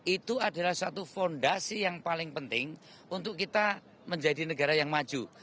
itu adalah suatu fondasi yang paling penting untuk kita menjadi negara yang maju